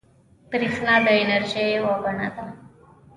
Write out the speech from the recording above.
بریښنا د انرژۍ یوه بڼه ده